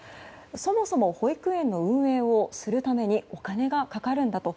そもそも保育園の運営をするためにお金がかかるんだと。